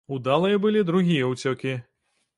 Удалыя былі другія ўцёкі.